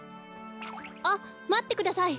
あっまってください